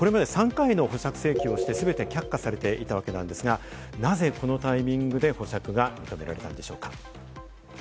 これまで３回の保釈請求をして全て却下されていましたが、なぜこのタイミングで保釈が認められたのでしょうか？